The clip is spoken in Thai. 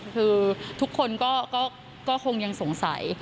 คือทุกคนก็คงยังสงสัย